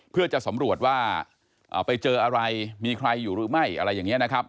เพื่อจะสำรวจว่าไปเจออะไรมีใครอยู่หรือไม่อะไรอย่างนี้นะครับ